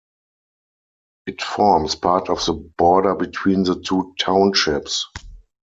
It forms part of the border between the two townships.